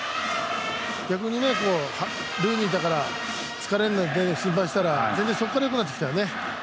逆に、塁に出たから疲れるのを心配したら全然、そこからよくなってきたよね。